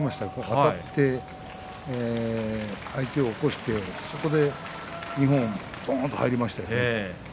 あたって相手を起こしてそこで二本すぽんと入りましたね。